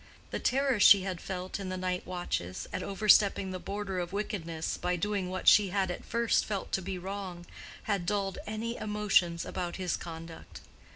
The terror she had felt in the night watches at overstepping the border of wickedness by doing what she had at first felt to be wrong, had dulled any emotions about his conduct.